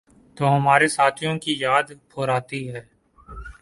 تو مرے ساتھیوں کی یاد پھرآتی ہے۔